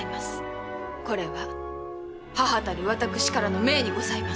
これは母たる私からの命にございます。